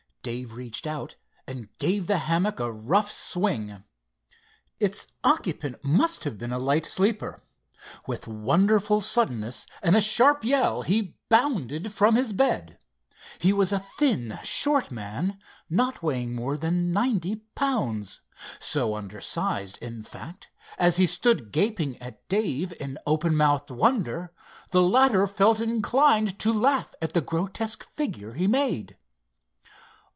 Dave reached out and gave the hammock a rough swing. Its occupant must have been a light sleeper. With wonderful suddenness and a sharp yell he bounded from his bed. He was a thin, short man, not weighing more than ninety pounds—so undersized, in fact, as he stood gaping at Dave in open mouthed wonder, that the latter felt inclined to laugh at the grotesque figure he made.